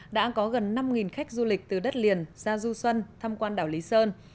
đã có gần năm khách du lịch từ đất liền ra du xuân tham quan đảo lý sơn